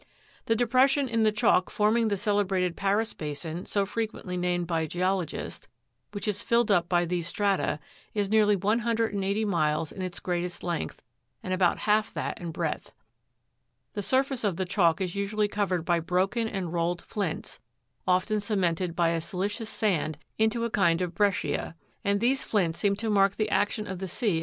8. The depression in the chalk forming the celebrated Paris basin so frequently named by geologists, which is filled up by these strata, is nearly one hundred and eighty miles in its greatest length, and about half that in breadth. The surface of the chalk is usually covered by broken and rolled flints, often cemented by a silicious sand into a kind of breccia; and these flints seem to mark the action of the sea upon reefs of chalk before the commencement of the tertiary epoch.